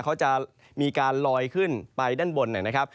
เขาจะมีการลอยขึ้นไปด้านบน